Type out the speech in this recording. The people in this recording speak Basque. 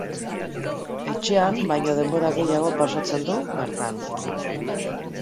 Etxean baino denbora gehiago pasatzen du bertan.